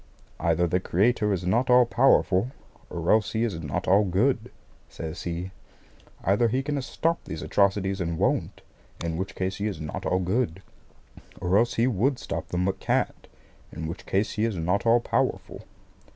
"Either the Creator is not all powerful, or else He is not all good," says he. "Either He can stop these atrocities and won't, in which case He is not all good; or else He would stop them but can't, in which case He is not all powerful."